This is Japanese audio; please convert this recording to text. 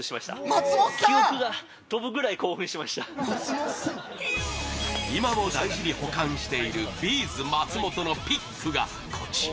正解は今も大事に保管しているＢ’ｚ松本のピックがこちら